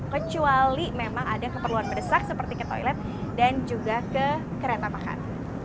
kecuali memang ada keperluan mendesak seperti ke toilet dan juga ke kereta makan